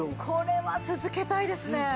これは続けたいですね。